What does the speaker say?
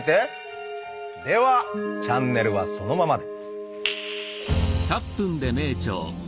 ではチャンネルはそのままで！